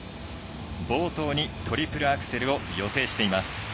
冒頭にトリプルアクセルを予定しています。